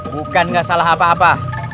bukan nggak salah apa apa